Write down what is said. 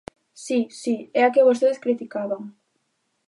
Si, si, é a que vostedes criticaban.